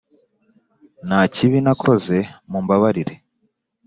nta kibi nakoze mumbabarire